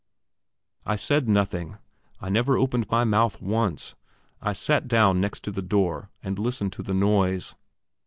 I said nothing, I never opened my mouth once. I sat down again next the door and listened to the noise.